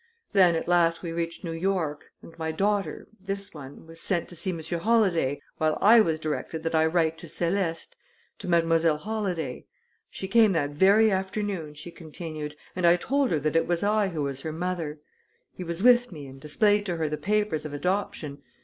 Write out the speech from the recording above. Then, at last we reached New York, and my daughter this one was sent to see Monsieur Holladay, while I was directed that I write to Céleste to Mademoiselle Holladay. She came that ver' afternoon," she continued, "and I told her that it was I who was her mother. He was with me, and displayed to her the papers of adoption.